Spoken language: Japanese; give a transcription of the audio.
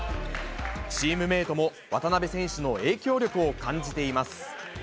チームメートも渡邊選手の影響力を感じています。